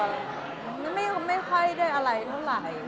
ต้องฝุ่นนะคะเขาก็ไม่ไม่ค่อยได้อะไรมาก